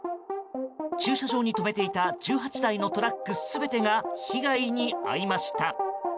駐車場に止めていた１８台のトラック全てが被害に遭いました。